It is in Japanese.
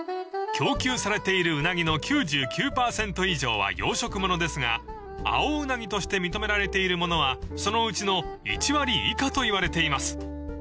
［供給されているウナギの９９％以上は養殖物ですが青ウナギとして認められているものはそのうちの１割以下といわれています］